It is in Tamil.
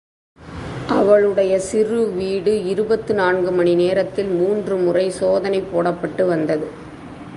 அவளுடைய சிறு வீடு இருபத்து நான்கு மணி நேரத்தில் மூன்று முறை சோதனை போடப்பட்டு வந்தது.